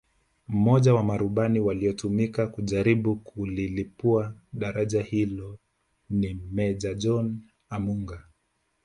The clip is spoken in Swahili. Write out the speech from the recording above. Mmoja wa marubani waliotumika kujaribu kulilipua daraja hilo ni Meja John Amunga